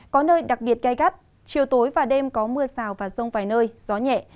có nơi đặc biệt gai gắt chiều tối và đêm có mưa rào và rông vài nơi gió nhẹ